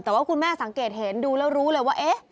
แต่ว่าคุณแม่สังเกตเห็นดูแล้วรู้เลยว่า